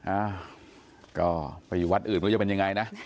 อ้าวก็ไปอยู่วัดอื่นว่าจะเป็นยังไงนะ